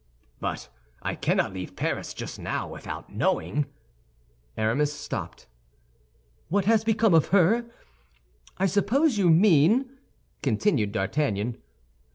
"But I cannot leave Paris just now without knowing—" Aramis stopped. "What is become of her? I suppose you mean—" continued D'Artagnan.